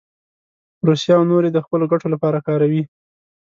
روسیه او نور یې د خپلو ګټو لپاره کاروي.